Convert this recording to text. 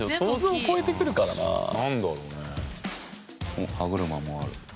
おっ歯車もある。